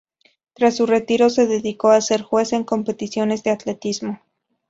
Tras su retiro se dedicó a ser jueza en competiciones de atletismo.